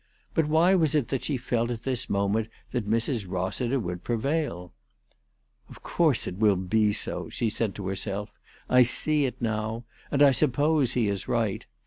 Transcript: But why was it that she felt at this moment that Mrs. Rossiter would prevail ?" Of course it will be so," she said to herself. "I see it now. And I suppose he is right.